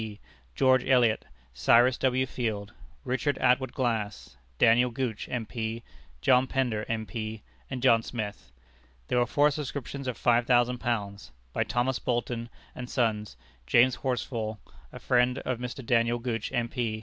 P., George Elliot, Cyrus W. Field, Richard Atwood Glass, Daniel Gooch, M.P., John Pender, M.P., and John Smith. There were four subscriptions of £5,000: by Thomas Bolton and Sons, James Horsfall, A Friend of Mr. Daniel Gooch, M.P.